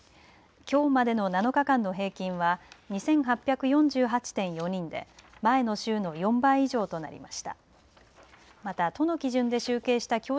きょうまでの７日間の平均は２８４８．４人で前の週の４倍以上となりました。